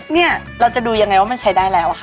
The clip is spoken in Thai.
เนี่ยเราจะดูยังไงว่ามันใช้ได้แล้วอะค่ะ